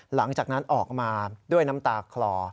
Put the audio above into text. หลังจากนั้นออกมาด้วยน้ำตาคลอ